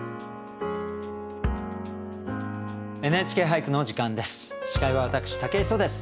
「ＮＨＫ俳句」の時間です。